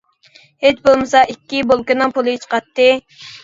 ھېچ بولمىسا ئىككى بولكىنىڭ پۇلى چىقاتتى.